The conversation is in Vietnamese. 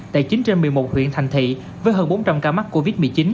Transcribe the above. tại chín trên một mươi một huyện thành thị với hơn bốn trăm linh ca mắc covid một mươi chín